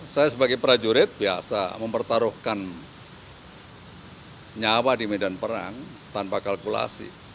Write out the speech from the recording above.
saya sebagai prajurit biasa mempertaruhkan nyawa di medan perang tanpa kalkulasi